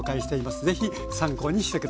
是非参考にして下さい。